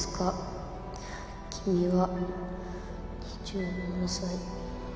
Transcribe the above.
「君は２７歳」